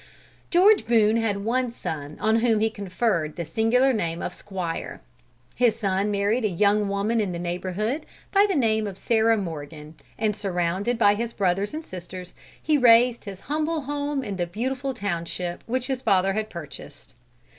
George Boone had one son on whom he conferred the singular name of Squire. His son married a young woman in the neighborhood by the name of Sarah Morgan, and surrounded by his brothers and sisters, he raised his humble home in the beautiful township which his father had purchased.